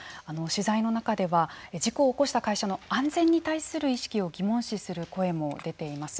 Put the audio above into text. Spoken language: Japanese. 取材の中では事故を起こした会社の安全に対する意識を疑問視する声も出ています。